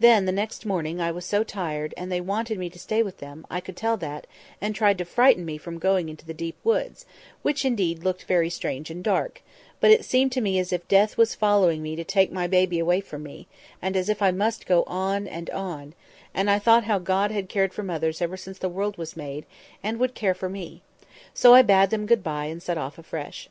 Then, the next morning, I was so tired; and they wanted me to stay with them—I could tell that—and tried to frighten me from going into the deep woods, which, indeed, looked very strange and dark; but it seemed to me as if Death was following me to take my baby away from me; and as if I must go on, and on—and I thought how God had cared for mothers ever since the world was made, and would care for me; so I bade them good bye, and set off afresh.